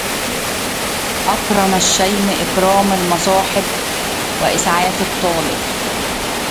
أكرم الشيم إكرام المصاحب وإسعاف الطالب.